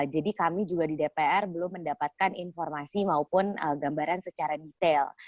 jadi kami juga di dpr belum mendapatkan informasi maupun gambaran secara detail